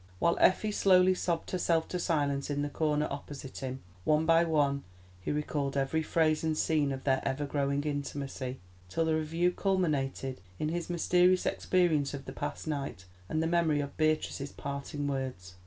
While Effie slowly sobbed herself to silence in the corner opposite to him, one by one, he recalled every phase and scene of their ever growing intimacy, till the review culminated in his mysterious experience of the past night, and the memory of Beatrice's parting words.